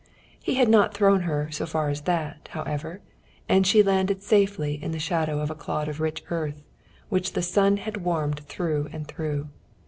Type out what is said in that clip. He had not thrown her so far as that, however, and she landed safely in the shadow of a clod of rich earth, which the sun had warmed through and through.